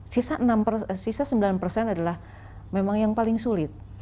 sisa sembilan persen adalah memang yang paling sulit